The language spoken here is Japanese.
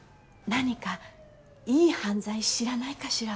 何かいい犯罪知らないかしら？